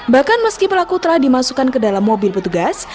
bahkan meski pelaku telah dimasukkan ke dalam mobil petugas